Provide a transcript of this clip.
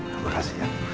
terima kasih ya